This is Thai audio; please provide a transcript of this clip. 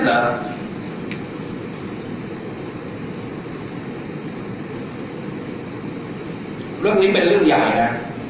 เรื่องนี้เป็นเรื่องใหญ่นะ